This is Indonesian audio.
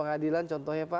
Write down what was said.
pengadilan contohnya pak